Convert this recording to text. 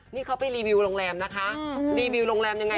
นี่เขาไปรีวิวโรงแรมนะคะรีวิวโรงแรมยังไง